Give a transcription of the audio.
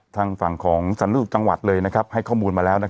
ทางฝั่งของสันลูกจังหวัดเลยให้ข้อมูลมาแล้ว